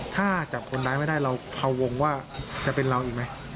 ถ้าจับคนร้ายไม่ได้เราเผาวงว่าจะเป็นเราอีกไหม